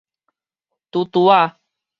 拄拄仔